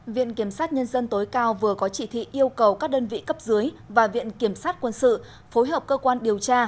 viện kiểm sát nhân dân tối cao vừa có chỉ thị yêu cầu các đơn vị cấp dưới và viện kiểm sát quân sự phối hợp cơ quan điều tra